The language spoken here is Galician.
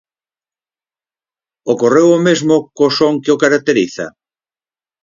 Ocorreu o mesmo co son que o caracteriza?